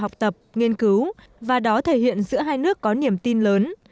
học tập nghiên cứu và đó thể hiện giữa hai nước có niềm tin lớn